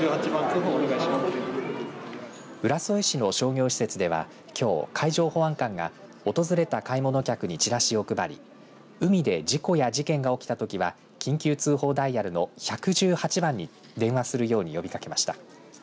浦添市の商業施設ではきょう、海上保安官が訪れた買い物客にチラシを配り海で事故や事件が起きたときは緊急通報ダイヤルの１１８番に電話するように呼びかけました。